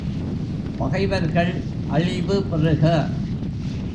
பகைவர்கள் அழிவு பெறுக!